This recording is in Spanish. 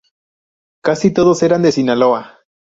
Casi todos eran de Sinaloa.